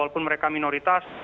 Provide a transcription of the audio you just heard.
walaupun mereka minoritas